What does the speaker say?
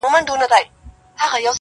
ویل دا پنیر کارګه ته نه ښایيږي.!